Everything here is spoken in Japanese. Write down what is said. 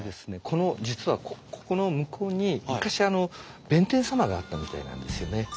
この実はここの向こうに昔弁天様があったみたいなんですよね。